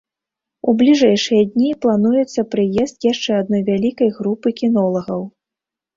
У бліжэйшыя дні плануецца прыезд яшчэ адной вялікай групы кінолагаў.